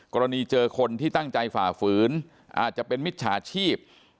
กรณีเจอคนที่ตั้งใจฝ่าฝืนอาจจะเป็นมิจฉาชีพ